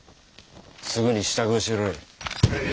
すぐに支度をしろい。